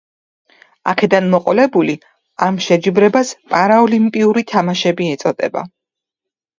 აქედან მოყოლებული, ამ შეჯიბრებას პარაოლიმპიური თამაშები ეწოდება.